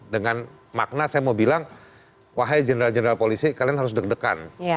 dengan makna saya mau bilang wahai jenderal jenderal polisi kalian harus deg degan